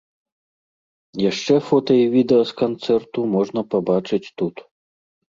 Яшчэ фота і відэа з канцэрту можна пабачыць тут.